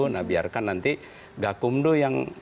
nah biarkan nanti gakumdo yang